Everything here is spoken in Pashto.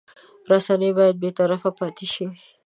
رسنۍ باید بېطرفه پاتې شي.